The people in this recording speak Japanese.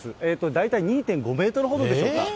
大体２．５メートルほどでしょうか。